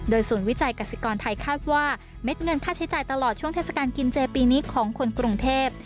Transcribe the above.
โดยศูนย์วิจัยกษิกรไทยคาดว่าเม็ดเงินค่าใช้จ่ายตลอดช่วงเทศกาลกินเจปีนี้ของคนกรุงเทพ